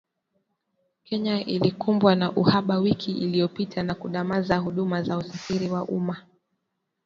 Kenya ilikumbwa na uhaba wiki iliyopita na kudumaza huduma za usafiri wa umma